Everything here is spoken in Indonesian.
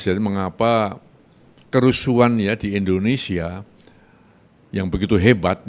dan tanggal empat belas mengapa kerusuhan di indonesia yang begitu hebat